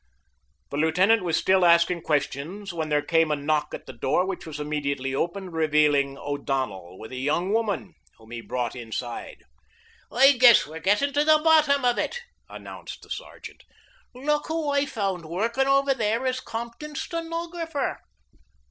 The lieutenant was still asking questions when there came a knock at the door, which was immediately opened, revealing O'Donnell with a young woman, whom he brought inside. "I guess we're getting to the bottom of it," announced the sergeant. "Look who I found workin' over there as Compton's stenographer."